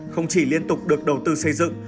không chỉ liên tục được đầu tư xây dựng